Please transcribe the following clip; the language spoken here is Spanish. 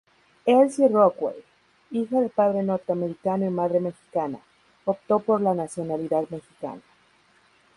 Elsie Rockwell, hija de padre norteamericano y madre mexicana, optó por la nacionalidad mexicana.